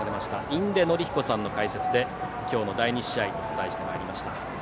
印出順彦さんの解説で今日の第２試合をお伝えしてまいりました。